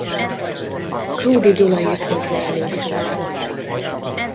Krúdy Gyula írt hozzá előszót.